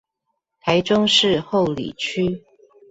台中市后里區